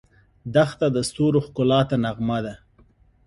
دښته د ستورو ښکلا ته نغمه ده.